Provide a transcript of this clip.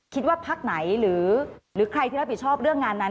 คิดว่าพักไหนหรือใครที่รับผิดชอบเรื่องงานนั้น